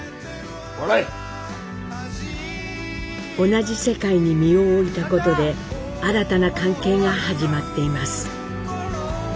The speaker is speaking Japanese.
同じ世界に身を置いたことで新たな関係が始まっています。